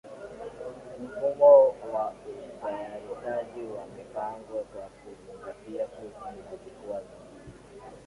Mfumo wa utayarishaji wa mipango kwa kuzingatia Fursa na Vikwazo